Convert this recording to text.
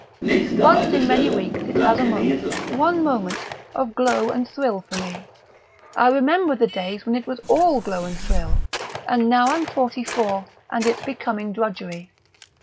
Once in many weeks it has a moment, one moment, of glow and thrill for me; I remember the days when it was all glow and thrill; and now I'm forty four, and it's becoming drudgery.